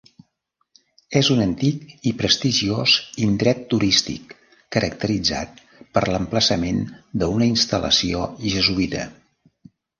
És un antic i prestigiós indret turístic caracteritzat per l'emplaçament d'una instal·lació jesuïta.